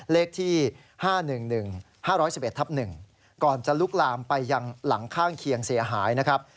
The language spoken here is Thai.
เลขที่๕๑๑๕๑๑ทับ๑ก่อนจะลุกลามไปยังหลังข้างเคียงเสียหายนะครับ